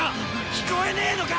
聞こえねーのか！